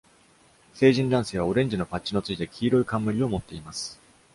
成人男性はオレンジのパッチのついた黄色い冠をもっています。